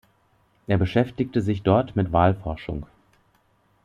Er beschäftigte sich dort mit Wahlforschung.